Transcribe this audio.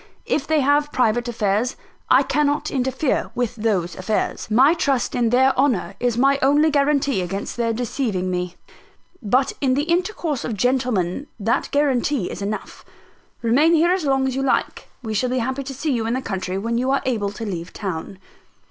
If they have private affairs, I cannot interfere with those affairs. My trust in their honour is my only guarantee against their deceiving me; but in the intercourse of gentlemen that is guarantee enough. Remain here as long as you like: we shall be happy to see you in the country, when you are able to leave town."